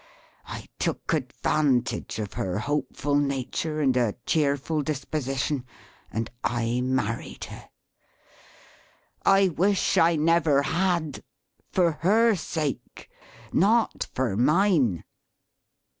I took advantage of her hopeful nature and her cheerful disposition; and I married her. I wish I never had! For her sake; not for mine!"